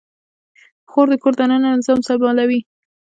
خور د کور دننه نظام سمبالوي.